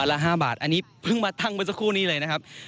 ละ๕บาทอันนี้เพิ่งมาทั่งเมื่อสักครู่นี้เลยนะครับ